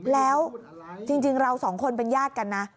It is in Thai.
แล้วจริงเราสองคนเป็นญาติกันนะ